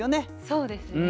そうですね。